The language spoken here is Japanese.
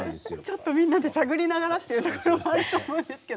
ちょっとみんなで探りながらっていうところもあると思うんですけど。